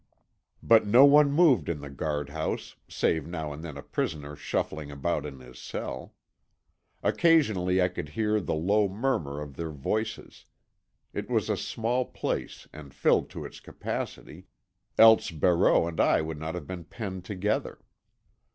But no one moved in the guardhouse, save now and then a prisoner shuffling about in his cell. Occasionally I could hear the low murmur of their voices—it was a small place and filled to its capacity—else Barreau and I would not have been penned together.